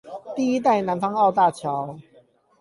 第一代南方澳大橋